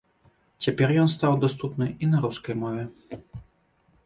Цяпер ён стаў даступны і на рускай мове.